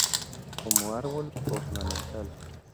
Como árbol ornamental.